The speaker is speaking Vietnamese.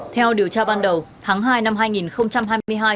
theo điều tra ban đầu tháng hai năm hai nghìn hai mươi hai